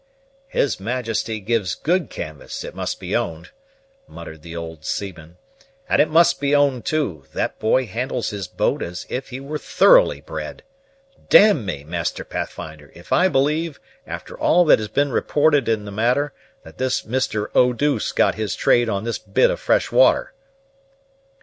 "His Majesty gives good canvas, it must be owned," muttered the old seaman; "and it must be owned, too, that boy handles his boat as if he were thoroughly bred! D me, Master Pathfinder, if I believe, after all that has been reported in the matter, that this Mister Oh deuce got his trade on this bit of fresh water."